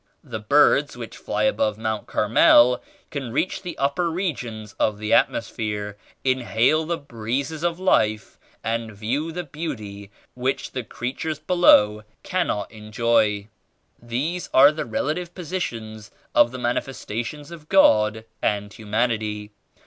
The birds which fly above Mount Carmel can reach the upper regions of the atmosphere, inhale the breezes of life and view the beauty which the creatures below cannot enjoy. These are the relative positions of the Manifestations of God and humanity.